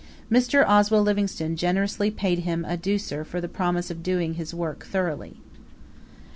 Mr. Oswell Livingstone generously paid him a douceur for the promise of doing his work thoroughly.